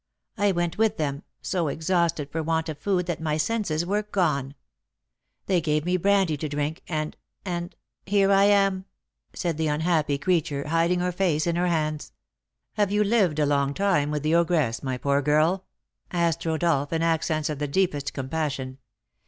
I went with them, so exhausted for want of food that my senses were gone. They gave me brandy to drink, and and here I am!" said the unhappy creature, hiding her face in her hands. "Have you lived a long time with the ogress, my poor girl?" asked Rodolph, in accents of the deepest compassion.